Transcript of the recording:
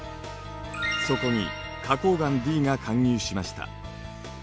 そこに花こう岩Ｄが貫入しました。